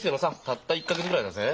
たった１か月ぐらいだぜ。